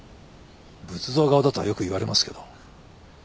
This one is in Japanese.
仏像顔だとはよく言われますけど。